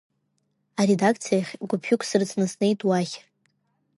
Аредакциахьтә гәыԥҩык срыцны снеит уахь.